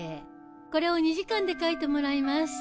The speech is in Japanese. これを２時間で描いてもらいます。